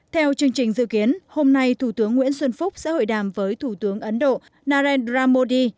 theo chương trình dự kiến hôm nay thủ tướng nguyễn xuân phúc sẽ hội đàm với thủ tướng ấn độ narendra modi